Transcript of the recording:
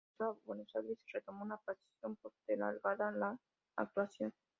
Finalmente regresó a Buenos Aires y retomó una pasión postergada: la actuación.